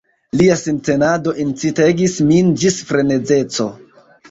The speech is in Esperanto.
Lia sintenado incitegis min ĝis frenezeco.